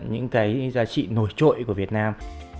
những cái giá trị nổi trội của việt nam